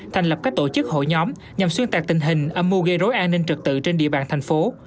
thành lập các tổ chức hội nhóm nhằm xuyên tạc tình hình âm mưu gây rối an ninh trực tự trên địa bàn thành phố